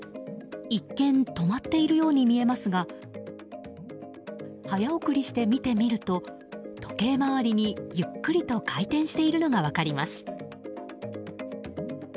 一見、止まっているように見えますが早送りして見てみると時計回りにゆっくりと回転しているのが分かります。